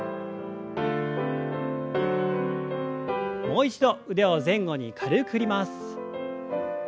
もう一度腕を前後に軽く振ります。